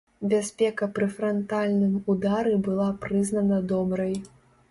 Бяспека пры франтальным удары была прызнана добрай.